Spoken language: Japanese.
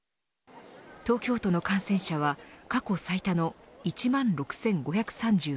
東京都の感染者は過去最多の１万６５３８人。